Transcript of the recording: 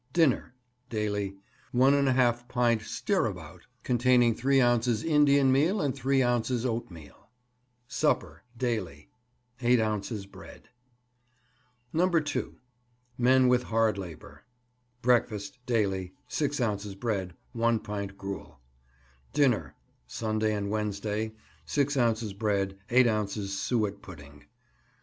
Dinner Daily 1½ pint stirabout (containing 3 ounces Indian meal and 3 ounces oatmeal). Supper Daily 8 ounces bread. No. 2. MEN WITH HARD LABOUR. Breakfast Daily 6 ounces bread, 1 pint gruel. Dinner Sunday and Wednesday 6 ounces bread, 8 ounces suet pudding.